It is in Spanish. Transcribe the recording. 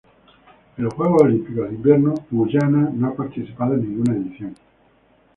En los Juegos Olímpicos de Invierno Guyana no ha participado en ninguna edición.